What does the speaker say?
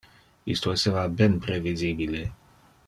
Isto esseva ben previsibile.